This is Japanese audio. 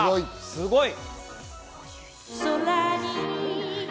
すごい！